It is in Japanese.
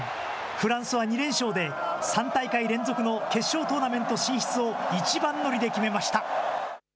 フランスは２連勝で、３大会連続の決勝トーナメント進出を一番乗りで決めました。